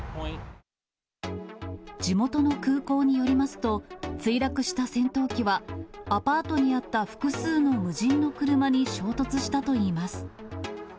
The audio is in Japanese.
地元の空港によりますと、墜落した戦闘機は、アパートにあった複数の無人の車に衝突したといいます。